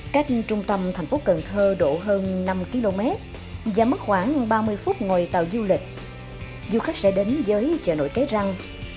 cách trung tâm thành phố cần thơ độ hơn năm km và mất khoảng ba mươi phút ngồi tàu du lịch du khách sẽ đến với chợ nổi cái răng